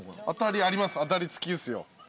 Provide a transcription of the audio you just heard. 当たり付きですよ。